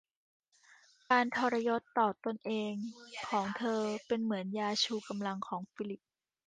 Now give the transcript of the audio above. การทรยศต่อตัวเองของเธอเป็นเหมือนยาชูกำลังของฟิลิป